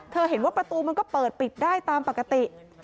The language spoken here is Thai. เห็นว่าประตูมันก็เปิดปิดได้ตามปกติ